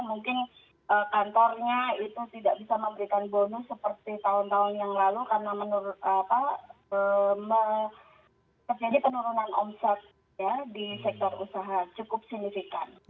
menjadi penurunan omset ya di sektor usaha cukup signifikan